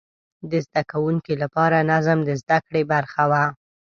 د زده کوونکو لپاره نظم د زده کړې برخه وه.